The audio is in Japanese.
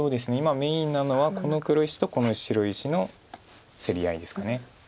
今メインなのはこの黒石とこの白石の競り合いですかね。